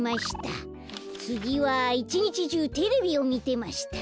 つぎは「いち日じゅうてれびをみてました」。